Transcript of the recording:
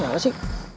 mau nyala sih